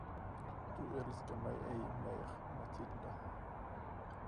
Du älskar mig ej mer, Mathilda.